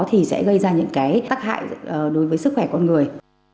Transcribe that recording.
thì sẽ gây ra những cái tác hại đối với sức khỏe con người